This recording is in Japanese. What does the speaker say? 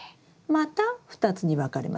また２つに分かれますね。